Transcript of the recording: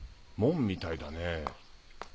門みたいだね。